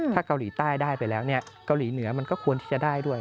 ถ้าเกาหลีใต้ได้ไปแล้วเนี่ยเกาหลีเหนือมันก็ควรที่จะได้ด้วย